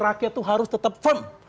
rakyat itu harus tetap firm